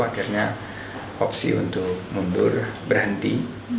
akhirnya opsi untuk mundur berhenti